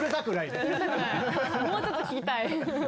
もうちょっと聴きたい。